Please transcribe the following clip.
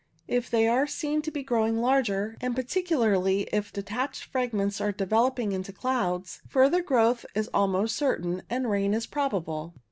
If they are seen to be growing larger, and particularly if de tached fragments are developing into clouds, further growth is almost certain, and rain is probable.